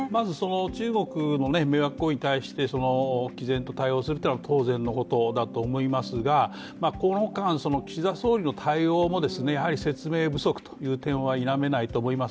まず、中国の迷惑行為に対してき然と対応するのは当然のことだと思いますがこの間、岸田総理の対応も説明不足の点は否めないと思います